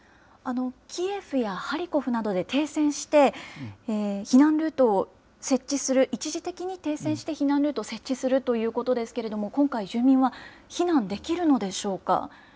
キエフやハリコフなどで停戦して、避難ルートを設置する、一時的に停戦して、避難ルートを設置するということですけれども、今回、住民は避難できるのでしょうか。